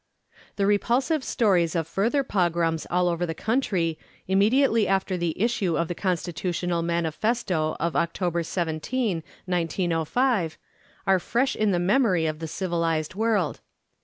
The repulsive stories of further pogroms all over the country immediately after the issue of the constitutional manifesto of October 17, 1905, are fresh in the memory of the civilised world.